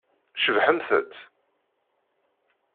Cebbḥemt-t!